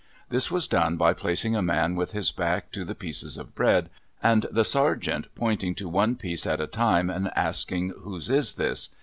This was done by placing a man with his back to the pieces of bread, and the sergeant pointing to one piece at a time and asking, "Whose is this?"